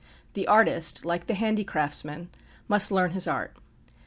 The artist, like the handicraftsman, must learn his art.